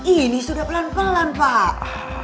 ini sudah pelan pelan pak